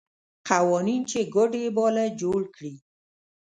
قوانین چې کوډ یې باله جوړ کړي.